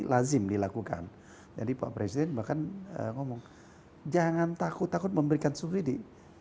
lazim dilakukan jadi pak presiden bahkan ngomong jangan takut takut memberikan subsidi